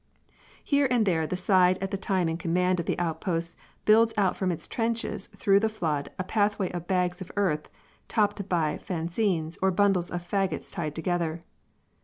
Here and there the side at the time in command of the outpost builds out from its trenches through the flood a pathway of bags of earth, topped by fascines or bundles of fagots tied together.